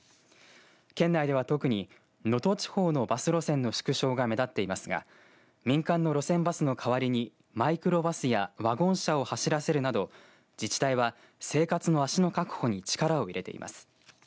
県内では、特に能登地方のバス路線の縮小が目立っていますが民間の路線バスの代わりにマイクロバスやワゴン車を走らせるなど自治体は生活の足の確保に力を入れています。